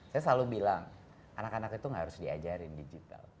saya selalu bilang anak anak itu gak harus diajarin digital